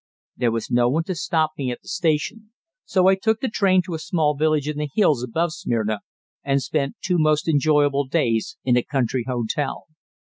There was no one to stop me at the station, so I took the train to a small village in the hills above Smyrna and spent two most enjoyable days in a country hotel.